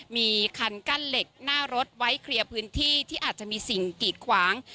มีคันกั้นเหล็กหน้ารถไว้เคลียร์พื้นที่ที่อาจจะมีสิ่งกีดขวาง